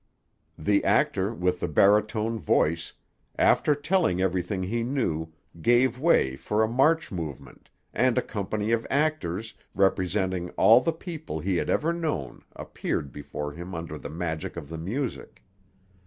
The actor with the baritone voice, after telling everything he knew, gave way for a march movement, and a company of actors, representing all the people he had ever known, appeared before him under the magic of the music.